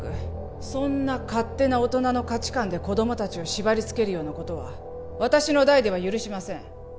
そんな勝手な大人の価値観で子供達を縛りつけるようなことは私の代では許しません